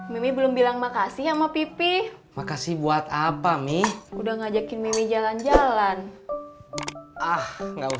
mimmi belum bilang makasih sama pipih makasih buat apa mi udah ngajakin jalan jalan ah nggak